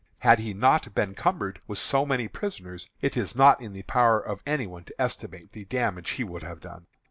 Had he not been cumbered with so many prisoners, it is not in the power of any one to estimate the damage he would have done.